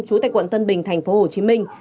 trú tại quận tân bình tp hcm